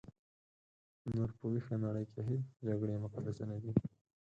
نور په ویښه نړۍ کې هیڅ جګړې مقدسې نه دي.